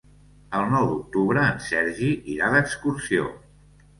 El nou d'octubre en Sergi irà d'excursió.